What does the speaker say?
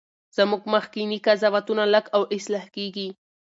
زموږ مخکني قضاوتونه لږ او اصلاح کیږي.